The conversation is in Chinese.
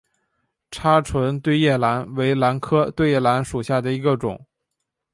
叉唇对叶兰为兰科对叶兰属下的一个种。